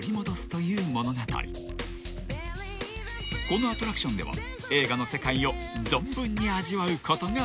［このアトラクションでは映画の世界を存分に味わうことができる］